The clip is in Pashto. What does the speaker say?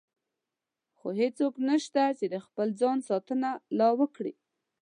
خو هېڅوک نشته چې د خپل ځان ساتنه لا وکړي.